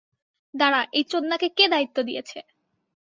দাঁড়া, এই চোদনাকে কে দায়িত্ব দিয়েছে?